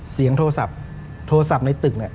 เสียงโทรศัพท์โทรศัพท์ในตึกเนี่ย